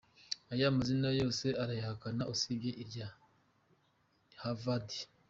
Aya mazina yose arayahakana usibye irya Havadi.